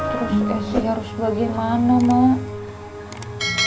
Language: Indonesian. terus testing harus bagaimana mak